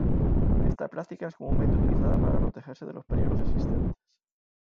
Esta práctica es comúnmente utilizada para protegerse de peligros existentes.